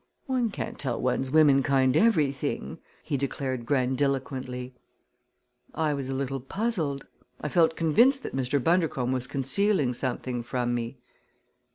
"One can't tell one's womenkind everything!" he declared grandiloquently. I was a little puzzled. I felt convinced that Mr. Bundercombe was concealing something from me.